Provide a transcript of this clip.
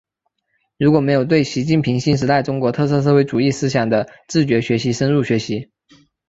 如果没有对习近平新时代中国特色社会主义思想的自觉学习深入学习